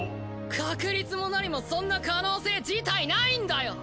確率も何もそんな可能性自体ないんだよ！